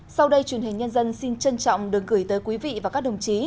sau đây truyền hình nhân dân xin trân trọng được gửi tới quý vị và các đồng chí